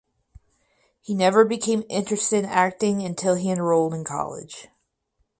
He never became interested in acting until he enrolled in college.